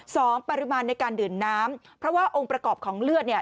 สองปริมาณในการดื่มน้ำเพราะว่าองค์ประกอบของเลือดเนี่ย